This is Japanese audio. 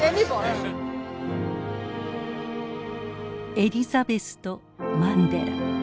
エリザベスとマンデラ。